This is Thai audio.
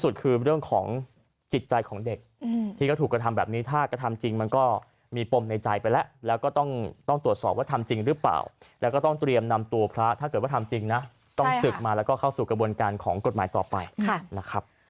ต้องศึกมาแล้วก็เข้าสู่กระบวนการของกฎหมายต่อไปนะครับ